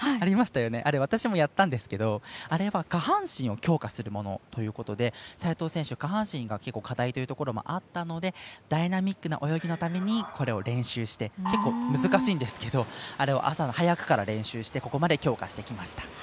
あれ私もやったんですけどあれは下半身を強化するものということで齋藤選手は下半身が課題というのがあったのでダイナミックな泳ぎのために練習して結構、難しいんですけど朝早くから練習してここまで強化してきました。